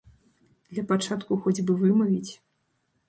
Для пачатку хоць бы вымавіць.